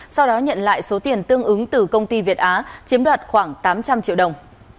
sau đó nhận lại số tiền tương ứng từ công ty việt á chiếm đoạt khoảng tám trăm linh triệu đồng